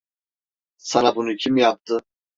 Sana bunu kim yaptı?